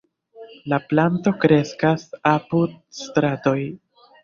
La planto kreskas apud stratoj.